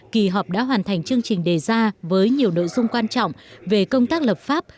kỳ họp đã hoàn thành chương trình đề ra với nhiều nội dung quan trọng về công tác lập pháp